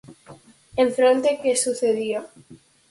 ¿En fronte que sucedía?